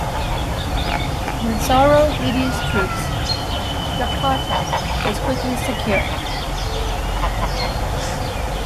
With Sarwo Edhie's troops, Jakarta was quickly secured.